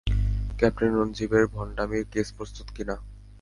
Captain রঞ্জিবের ভণ্ডামির case প্রস্তুত কিনা?